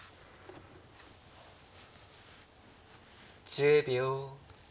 １０秒。